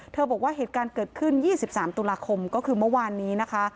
บอกว่าเหตุการณ์เกิดขึ้น๒๓ตุลาคมก็คือเมื่อวานนี้นะคะ